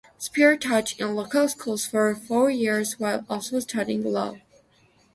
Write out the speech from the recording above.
Spear taught in local schools for four years while also studying law.